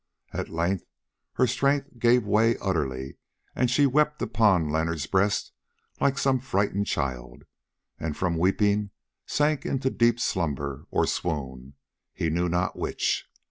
At length her strength gave way utterly and she wept upon Leonard's breast like some frightened child, and from weeping sank into deep slumber or swoon, he knew not which.